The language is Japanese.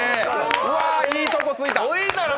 うわあ、いいとこついた！